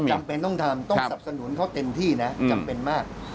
จำเป็นต้องทำต้องสับสนุนเขาเต็มที่นะจำเป็นมาก